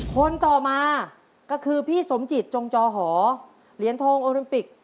คนต่อมาก็คือพี่สมจิตจงจอหอเหรียญทองโอลิมปิก